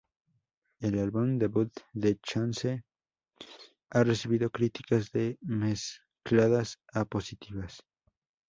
El álbum debut de Chance ha recibido críticas de mezcladas a positivas.